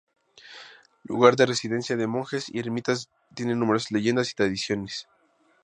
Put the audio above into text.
Lugar de residencia de monjes y eremitas tiene numerosas leyendas y tradiciones.